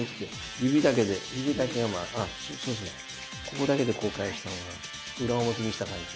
ここだけでこう返した方が裏表にした感じ。